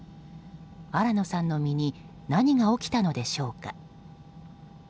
新野さんの身に何が起きたのでしょうか。